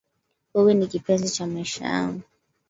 Wewe ni kipenzi cha maisha yangu.